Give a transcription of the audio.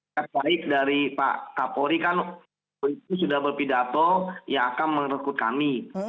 pertama dari pak kapolri kan sudah berpidato yang akan mengerkut kami